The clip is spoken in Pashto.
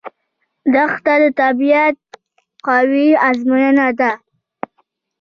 دښته د طبیعت قوي ازموینه ده.